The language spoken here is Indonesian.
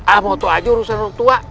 ah mau tua aja urusan urut tua